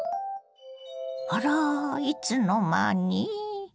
あらいつの間に。